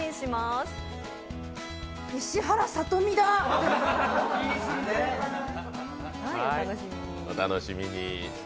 お楽しみに。